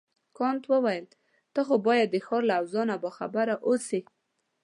کانت وویل ته خو باید د ښار له اوضاع نه باخبره اوسې.